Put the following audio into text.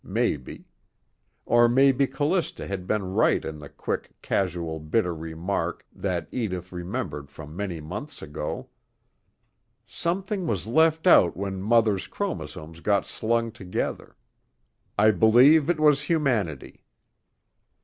Maybe. Or maybe Callista had been right in the quick, casual, bitter remark that Edith remembered from many months ago: "Something was left out when Mother's chromosomes got slung together I believe it was humanity."